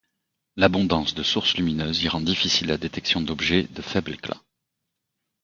L'abondance de sources lumineuses y rend difficile la détection d'objets de faible éclat.